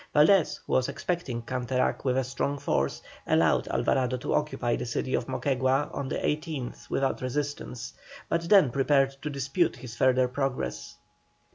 Valdés, who was expecting Canterac with a strong force, allowed Alvarado to occupy the city of Moquegua on the 18th without resistance, but then prepared to dispute his further progress.